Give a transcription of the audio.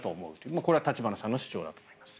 これは立花さんの主張だと思います。